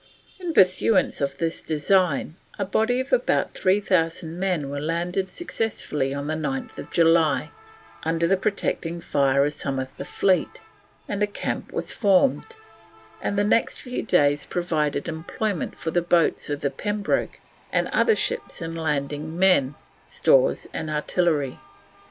In pursuance of this design, a body of about 3000 men were landed successfully on 9th July, under the protecting fire of some of the fleet, and a camp was formed, and the next few days provided employment for the boats of the Pembroke and other ships in landing men, stores, and artillery.